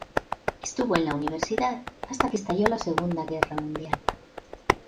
Estuvo en la universidad hasta que estalló la Segunda Guerra Mundial.